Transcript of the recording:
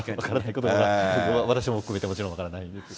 私も含めてもちろん分からないんですが。